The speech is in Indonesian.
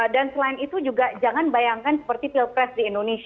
dan selain itu juga jangan bayangkan seperti pilpres di indonesia